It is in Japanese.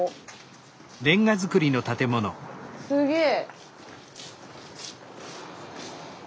すげえ。